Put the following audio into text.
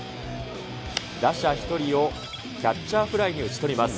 打者１人をキャッチャーフライに打ち取ります。